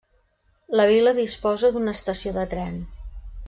La vila disposa d'una estació de tren.